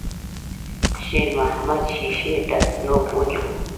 شېرمحمد ښيښې ته نوک ونيو.